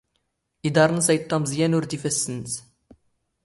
ⵉⴹⴰⵕⵏ ⵏⵏⵙ ⴰ ⵉⵜⵜⴰⵎⵥ ⵢⴰⵏ ⵓⵔ ⴷ ⵉⴼⴰⵙⵙⵏ ⵏⵏⵙ.